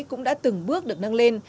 cũng đã từng bước được nâng lên